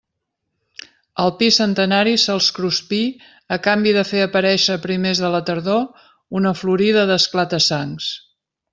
El pi centenari se'ls cruspí a canvi de fer aparéixer a primers de la tardor una florida d'esclata-sangs.